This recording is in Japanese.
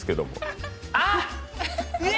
ああ！